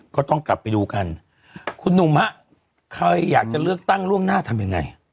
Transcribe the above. ก็ต้องกลับไปดูกันคุณหนุ่มฮะใครอยากจะเลือกตั้งล่วงหน้าทำยังไง